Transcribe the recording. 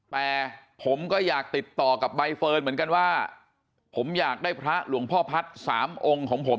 แต่ผมก็อยากติดต่อกับใบเฟิร์นเหมือนกันว่าผมอยากได้พระหลวงพ่อพัฒน์สามองค์ของผม